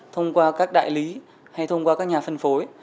thông qua các đại lý hay thông qua các nhà phân phối